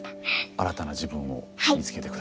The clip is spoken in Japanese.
新たな自分を見つけて下さい。